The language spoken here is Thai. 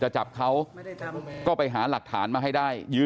จะจับเค้าก็ไปหาหลักฐานมาให้ได้